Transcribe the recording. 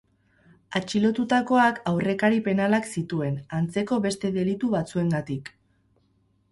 Atxilotutakoak aurrekari penalak zituen, antzeko beste delitu batzuengatik.